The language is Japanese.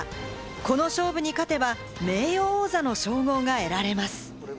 この勝負に勝てば名誉王座の称号が得られます。